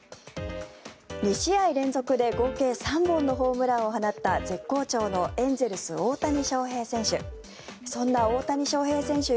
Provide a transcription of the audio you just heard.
２試合連続で合計３本のホームランを放った絶好調のエンゼルス大谷翔平選手。